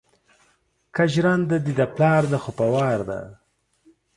که جرنده دې د پلار ده خو په وار ده